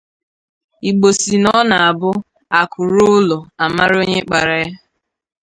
Igbo sị na ọ na-abụ akụ ruo ụlọ a mara onye kpara ya.